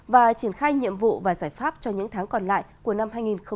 và triển khai nhiệm vụ và giải pháp cho những tháng còn lại của năm hai nghìn hai mươi